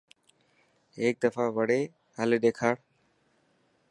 هيڪ دفا وڙي هلي ڏيکار.